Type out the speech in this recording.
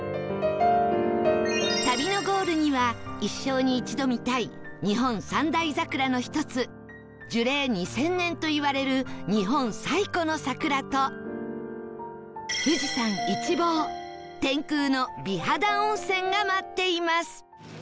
旅のゴールには一生に一度見たい日本三大桜の１つ樹齢２０００年といわれる日本最古の桜とが待っています